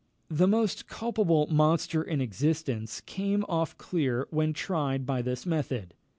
The most culpable monster in existence came off clear when tried by this method.